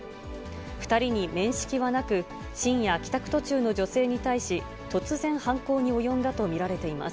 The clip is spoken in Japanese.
２人に面識はなく、深夜、帰宅途中の女性に対し、突然犯行に及んだと見られています。